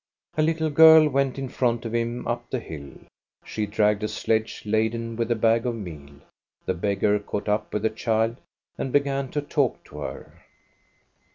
A little girl went in front of him up the hill ; she dragged a sledge laden with a bag of meal. The beggar caught up with the child and began to talk to her.